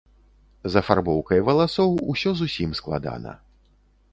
З афарбоўкай валасоў усё зусім складана.